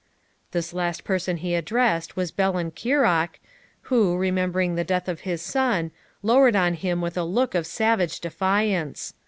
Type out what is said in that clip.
The last person he addressed was Ballenkeiroch, who, remembering the death of his son, loured on him with a look of savage defiance.